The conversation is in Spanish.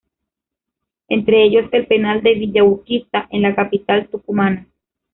Entre ellos el penal de Villa Urquiza, en la capital tucumana.